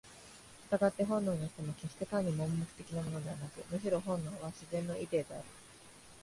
従って本能にしても決して単に盲目的なものでなく、むしろ本能は「自然のイデー」である。